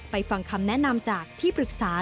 ฟังคำแนะนำจากที่ปรึกษา